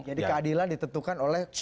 jadi keadilan ditentukan oleh kacamata itu